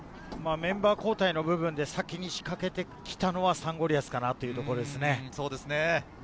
メンバー交代の分で先に仕掛けてきたのはサンゴリアスかなというところですね。